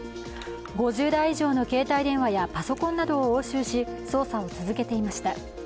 ５０台以上の携帯電話やパソコンなどを押収し、捜査を続けていました。